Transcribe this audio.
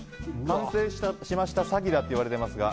完成しました詐欺だと言われていますが。